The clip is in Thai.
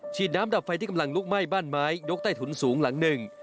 ฉีดน้ำดับไฟที่กำลังลุกไหม้บ้านไม้ยกใต้ถุนสูงหลังหนึ่ง